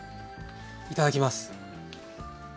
いただきます。